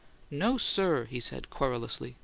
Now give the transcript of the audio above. "No, sir!" he said, querulously.